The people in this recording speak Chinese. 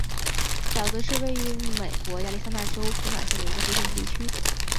沼泽是位于美国亚利桑那州皮马县的一个非建制地区。